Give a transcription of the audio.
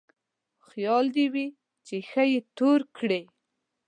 خيال دې وي چې ښه يې تور کړې.